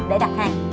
để đặt hàng